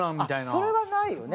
それはないよね。